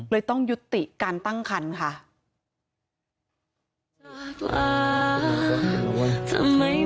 เลยต้องยุติการตั้งครรภ์ค่ะ